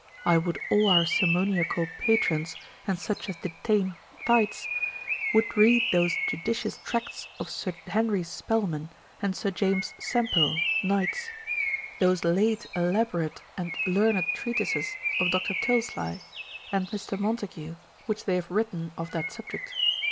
I would all our simoniacal patrons, and such as detain tithes, would read those judicious tracts of Sir Henry Spelman, and Sir James Sempill, knights; those late elaborate and learned treatises of Dr. Tilslye, and Mr. Montague, which they have written of that subject.